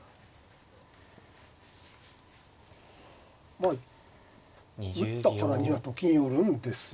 まあ打ったからにはと金寄るんですよね